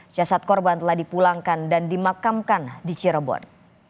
jasad korban telah dipulangkan dan dimakamkan di cirebon